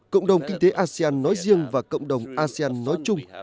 cộng đồng kinh tế asean nói riêng và cộng đồng asean nói chung